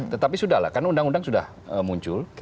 tetapi sudah lah karena undang undang sudah muncul